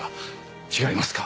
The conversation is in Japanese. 違いますか？